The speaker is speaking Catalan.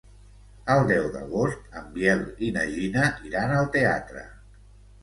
El deu d'agost en Biel i na Gina iran al teatre.